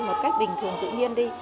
một cách bình thường tự nhiên đi